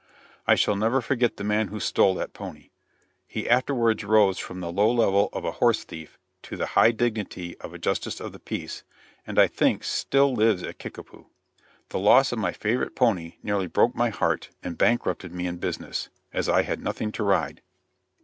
I shall never forget the man who stole that pony. He afterwards rose from the low level of a horse thief to the high dignity of a justice of the peace, and I think still lives at Kickapoo. The loss of my faithful pony nearly broke my heart and bankrupted me in business, as I had nothing to ride.